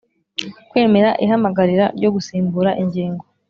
kwemera ihamagarira ryo gusimbura ingingo